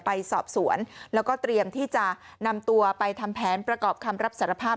ไปสอบสวนแล้วก็เตรียมที่จะนำตัวไปทำแผนประกอบคำรับสารภาพ